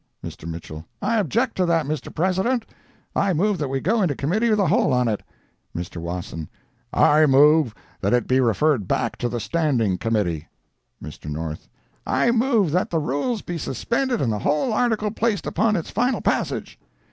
Mr. Mitchell—"I object to that, Mr. President. I move that we go into Committee of the Whole on it." Mr. Wasson—"I move that it be referred back to the Standing Committee." Mr. North—"I move that the rules be suspended and the whole article placed upon its final passage."